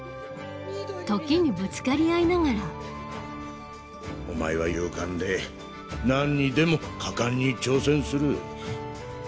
時にぶつかり合いながらお前は勇敢でなんにでも果敢に挑戦する。